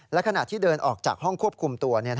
และขณะที่เดินออกจากห้องควบคุมตัว